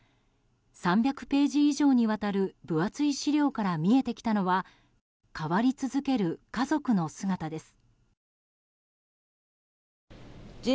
３００ページ以上にわたる分厚い資料から見えてきたのは変わり続ける家族の姿です。